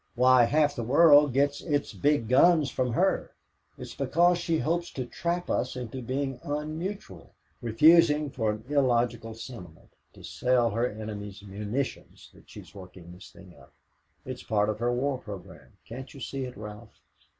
Why, half the world gets its big guns from her. It's because she hopes to trap us into being unneutral refusing for an illogical sentiment to sell her enemies munitions that she's working this thing up. It's part of her war program. Can't you see it, Ralph?"